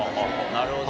なるほど。